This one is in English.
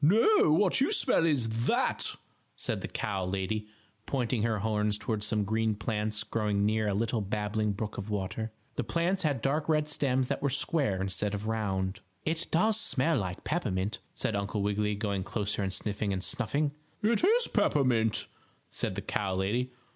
"No, what you smell is that," said the cow lady, pointing her horns toward some green plants growing near a little babbling brook of water. The plants had dark red stems that were square instead of round. "It does smell like peppermint," said Uncle Wiggily, going closer and sniffing and snuffing. "It is peppermint," said the cow lady.